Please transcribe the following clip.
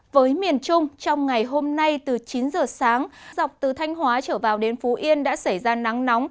với miền trung trong ngày hôm nay từ chín giờ sáng dọc từ thanh hóa trở vào đến phú yên đã xảy ra nắng nóng